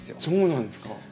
そうなんですか。